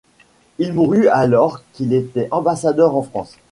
Il mourut alors qu'il était ambassadeur en France.